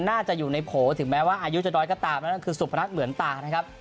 น่าจะอยู่ในโผล่ถึงแม้ว่าอายุจะน้อยก็ตามนั่นก็คือสุพนัทเหมือนตานะครับ